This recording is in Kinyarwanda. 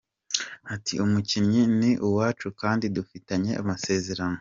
Ati "Umukinnyi ni uwacu kandi dufitanye amasezerano.